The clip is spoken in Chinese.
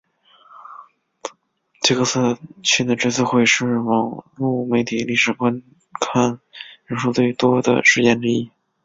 杰克逊的追思会是网路媒体历史上观看人数最多的事件之一。